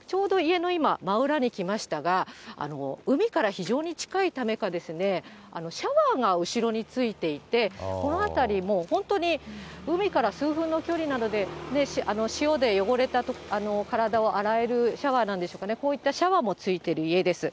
真裏に来ましたが、海から非常に近いためか、シャワーが後ろについていて、この辺り、もう本当に海から数分の距離なので、潮で汚れた体を洗えるシャワーなんでしょうかね、こういったシャワーもついてる家です。